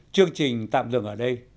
chương trình tạm dừng ở đây